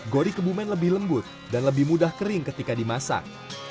gori kebumen lebih lembut dan lebih mudah kering ketika dimasak